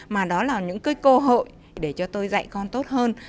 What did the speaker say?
mà đó là những cái cơ hội để cho tôi dạy con tốt hơn